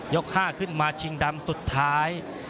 ๕ขึ้นมาชิงดำสุดท้าย